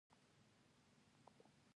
واوره د افغان کلتور په داستانونو کې راځي.